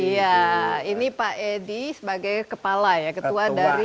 iya ini pak edi sebagai kepala ya ketua dari